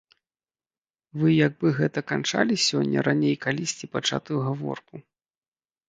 Вы як бы гэта канчалі сёння раней калісьці пачатую гаворку?